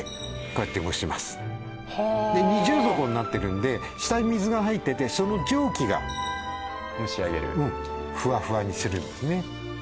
こうやって蒸しますはあで二重底になってるんで下に水が入っててその蒸気が蒸し上げるうんふわふわにするんですね